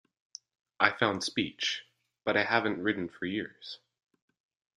I found speech: "But I haven't ridden for years."